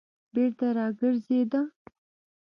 بېرته راگرځېده.